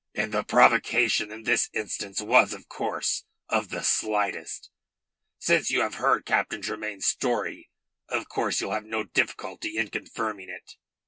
"And the provocation in this instance was, of course, of the slightest. Since you have heard Captain Tremayne's story of course you'll have no difficulty in confirming it."